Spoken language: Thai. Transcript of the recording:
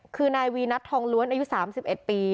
คือนายวีนัททองล้วนอายุ๓๑ปี